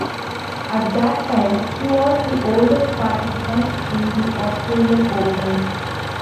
At the time, he was the oldest participant in the Australian Open.